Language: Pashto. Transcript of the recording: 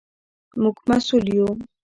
موږ مسوول یو.